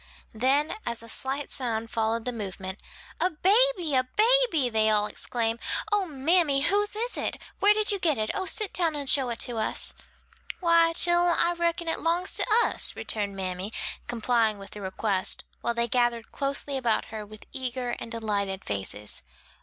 Then as a slight sound followed the movement, "A baby! a baby!" they all exclaim, "O, mammy, whose is it? where did you get it? oh, sit down and show it to us!" "Why, chillen, I reckon it 'longs to us," returned mammy, complying with the request, while they gathered closely about her with eager and delighted faces.